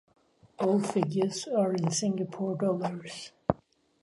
All figures are in Singapore dollars.